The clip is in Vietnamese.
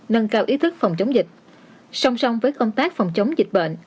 nâng cao ý thức phòng chống dịch song song với công tác phòng chống dịch bệnh